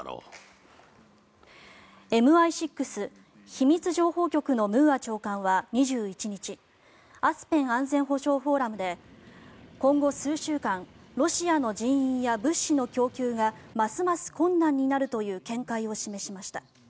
ＭＩ６・秘密情報局のムーア長官は２１日アスペン安全保障フォーラムで今後数週間ロシアの人員や物資の供給がますます困難になるという見解を示しました。